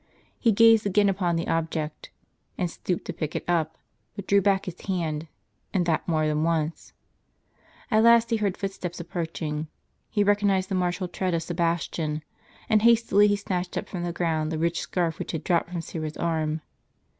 He gazed again upon the object, and stooped to pick it up, but drew back his hand, and that more than once. At last he heard footsteps approaching, he recognized the martial tread of Sebastian, and hastily he snatched up from the ground the rich scarf which had dropped from Syra's arm.